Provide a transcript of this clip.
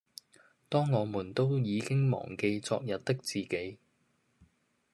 當我們都已經忘記昨日的自己